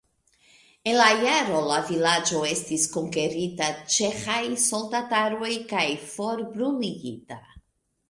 En la jaro la vilaĝo estis konkerita ĉeĥaj soldataroj kaj forbruligita.